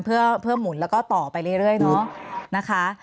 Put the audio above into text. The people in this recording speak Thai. เพื่อหมุนแล้วก็ต่อไปเรื่อยเนาะนะคะ